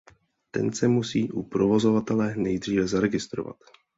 Ten se musí u provozovatele nejdříve zaregistrovat.